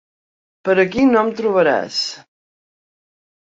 Per aquí no em trobaràs.